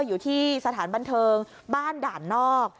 อยู่ที่สถานบันเทิงบ้านด่านนอก